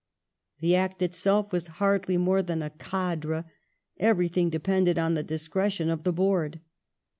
The Act itself was hardly more than a cadre ; everything depended on the discretion of the Board.